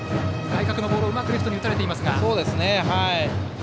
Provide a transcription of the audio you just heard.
外角のボールをうまくレフトに打たれています。